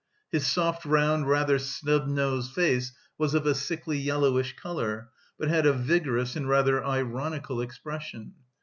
His soft, round, rather snub nosed face was of a sickly yellowish colour, but had a vigorous and rather ironical expression.